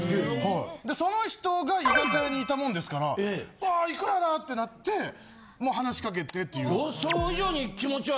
でその人が居酒屋にいたもんですからあいくらだ！ってなってもう話し掛けてっていう。